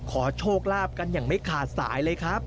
ขอโชคลาภกันอย่างไม่ขาดสายเลยครับ